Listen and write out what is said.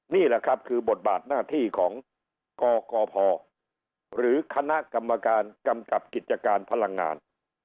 นี่แหละครับคือบทบาทหน้าที่ของกกพหรือคณะกรรมการกำกับกิจการพลังงาน